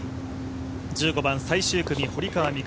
１５番、最終組、堀川未来